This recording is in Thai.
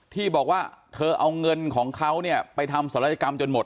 ที่บอกว่าเธอเอาเงินของเขาเนี่ยไปทำศัลยกรรมจนหมด